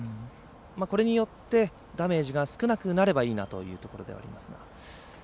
これによって、ダメージが少なくなればいいなというところではありますが。